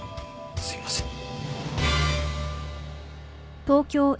すいませんね。